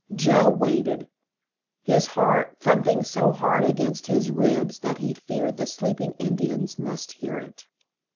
Joe waited; his heart thumping so hard against his ribs that he feared the sleeping Indians must hear it.